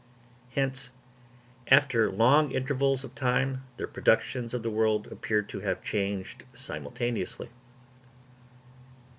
Hence, after long intervals of time, the productions of the world appear to have changed simultaneously.